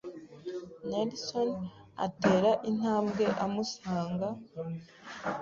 Nelson atera intambwe amusanga